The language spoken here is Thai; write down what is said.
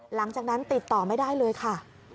หลังจากนั้นติดต่อไม่ได้เลยค่ะ